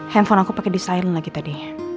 handphone aku pake disilin lagi tadi